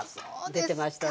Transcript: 出てましたね。